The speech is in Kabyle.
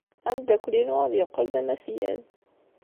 Ameddakel-inu ad yeqqel d amasgad.